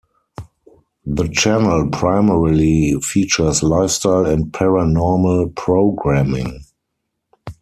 The channel primarily features lifestyle and paranormal programming.